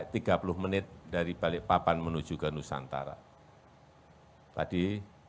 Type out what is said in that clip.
kemudian kalau kita sekarang dari balikpapan menuju ke nusantara itu akan menuju ke nusantara